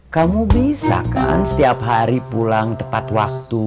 kamu bisa kan setiap hari pulang tepat waktu